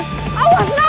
sembara awas nak